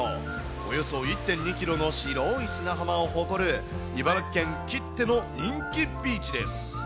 およそ１．２キロの白い砂浜を誇る、茨城県きっての人気ビーチです。